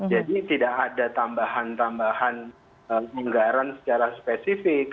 jadi tidak ada tambahan tambahan anggaran secara spesifik